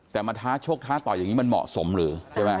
แต่มาท้าชกท้าต่อยอย่างนี้มันเหมาะสมหรือใช่ไหม